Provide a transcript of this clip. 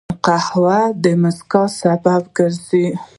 قهوه د مسکا سبب کېږي